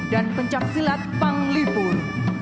dan pencaksilat panglipun